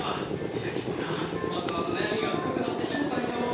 せやけどなますます悩みが深くなってしもたんやわ。